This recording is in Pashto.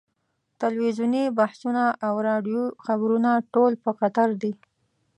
تلویزیوني بحثونه او راډیویي خبرونه ټول پر قطر دي.